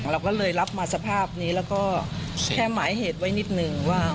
เราก็เลยรับมาสภาพนี้แล้วก็แค่หมายเหตุไว้นิดนึงว่า